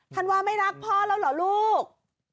ธันวาไม่รักพ่อแล้วเหรอลูก